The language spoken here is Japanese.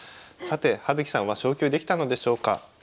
さて葉月さんは昇級できたのでしょうか。